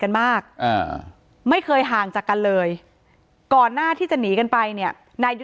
อ๋อเจ้าสีสุข่าวของสิ้นพอได้ด้วย